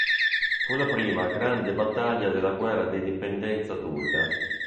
Fu la prima grande battaglia della guerra d'indipendenza turca.